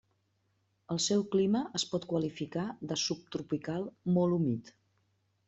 El seu clima es pot qualificar de subtropical molt humit.